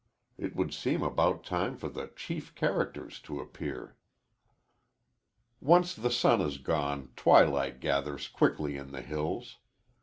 It would seem about time for the chief characters to appear." Once the sun is gone, twilight gathers quickly in the hills.